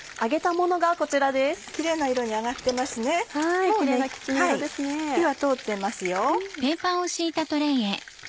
もう火は通っていますよ。